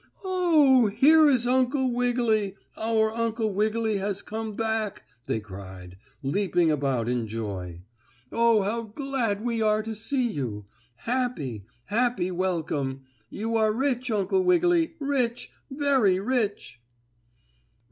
"Oh, here is Uncle Wiggily! Our Uncle Wiggily has come back!" they cried, leaping about in joy. "Oh, how glad we are to see you. Happy! Happy welcome! You are rich, Uncle Wiggily! Rich! Very rich!"